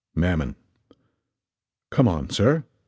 MAMMON. Come on, sir.